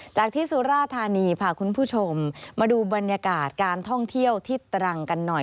ที่สุราธานีพาคุณผู้ชมมาดูบรรยากาศการท่องเที่ยวที่ตรังกันหน่อย